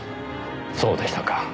そうでしたか。